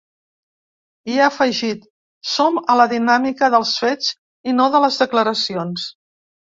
I ha afegit: Som a la dinàmica dels fets i no de les declaracions.